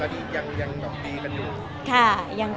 แล้วยังดีกันอยู่